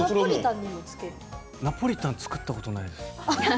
ナポリタンは作ったことがない。